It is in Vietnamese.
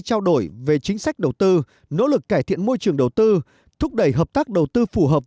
trao đổi về chính sách đầu tư nỗ lực cải thiện môi trường đầu tư thúc đẩy hợp tác đầu tư phù hợp